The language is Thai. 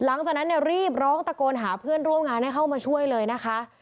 หลังจากนั้นเนี่ยรีบร้องตะโกนหาเพื่อนร่วมงานให้เข้ามาช่วยเลยนะคะ